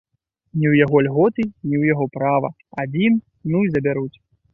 Ні ў яго льготы, ні ў яго права, адзін, ну і забяруць.